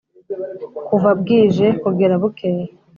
kuva bwije kugera bukeye